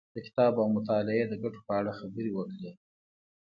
د کتاب او مطالعې د ګټو په اړه خبرې وکړې.